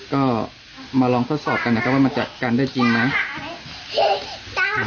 ก็มาลองทดสอบกันนะครับว่ามันจัดการได้จริงไหม